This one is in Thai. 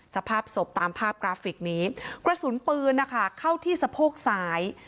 สภาพศพตามภาพกราฟิกนี้กระสุนปืนนะคะเข้าที่สะโพกซ้าย